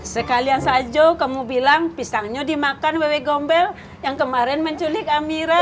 sekalian salju kamu bilang pisangnya dimakan wewe gombel yang kemarin menculik amira